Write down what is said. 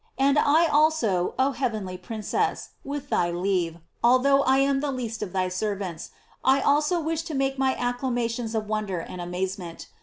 And I also, oh heavenly princess, with thy leave, although I am the least of thy servants, I also wish to make my acclamations of wonder and amazement.